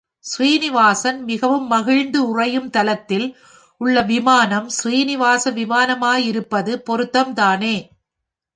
ஸ்ரீநிவாசன் மிகவும் மகிழ்ந்து உறையும் தலத்தில் உள்ள விமானம் ஸ்ரீநிவாச விமானமாயிருப்பது பொருத்தம் தானே.